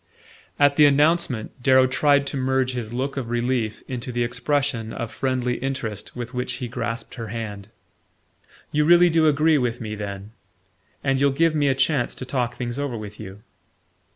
At the announcement, Darrow tried to merge his look of relief into the expression of friendly interest with which he grasped her hand. "You really do agree with me, then? And you'll give me a chance to talk things over with you?"